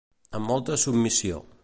Amb molta submissió.